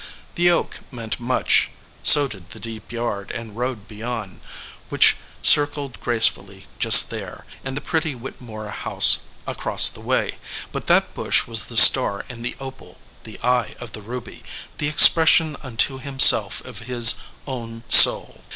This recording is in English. The oak meant much, so did the deep yard and road beyond, which circled gracefully just there, and the pretty Whittemore house across the way, but that bush was the star in the opal, the eye of the ruby, the expression unto himself of his own soul.